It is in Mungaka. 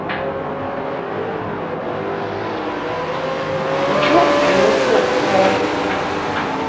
Nchuʼ vi u bə kə ɛ ?